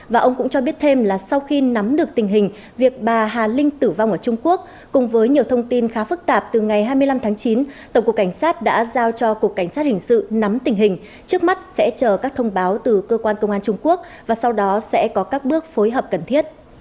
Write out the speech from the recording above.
và ông cũng cho biết thêm là sau khi nắm được tình hình việc bà hà linh tử vong ở trung quốc cùng với nhiều thông tin khá phức tạp từ ngày hai mươi năm tháng chín tổng cục cảnh sát đã giao cho cục cảnh sát hình sự nắm tình hình trước mắt sẽ chờ các thông báo từ cơ quan công an trung quốc và sau đó sẽ có các bước phối hợp cần thiết